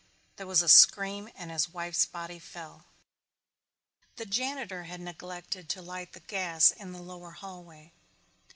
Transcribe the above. There was a scream and his wife's body fell. The janitor had neglected to light the gas in the lower hallway.